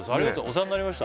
お世話になりました